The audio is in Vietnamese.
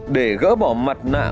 để gỡ bỏ mặt nạ